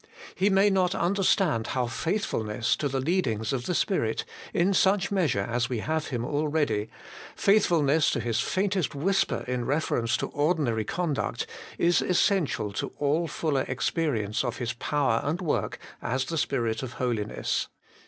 He may not under HOLY AND BLAMELESS. 221 stand how faithfulness to the leadings of the Spirit, in such measure as we have Him already, faith fulness to His faintest whisper in reference to ordinary conduct, is essential to all fuller experience of His power and work as the Spirit of holiness.